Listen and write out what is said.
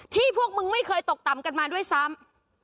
พวกมึงไม่เคยตกต่ำกันมาด้วยซ้ำ